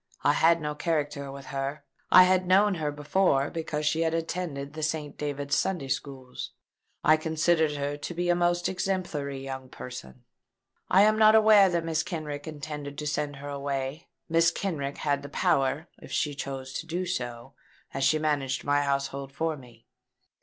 I had no character with her. I had known her before, because she had attended the St. David's Sunday Schools. I considered her to be a most exemplary young person. I was not aware that Mrs. Kenrick intended to send her away. Mrs. Kenrick had the power, if she chose to do so, as she managed my household for me.